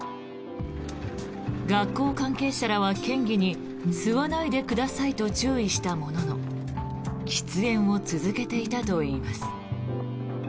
学校関係者らは県議に吸わないでくださいと注意したものの喫煙を続けていたといいます。